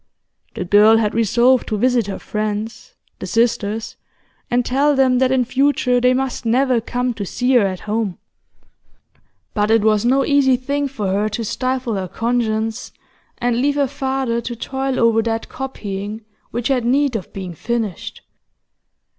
The girl had resolved to visit her friends, the sisters, and tell them that in future they must never come to see her at home. But it was no easy thing for her to stifle her conscience, and leave her father to toil over that copying which had need of being finished.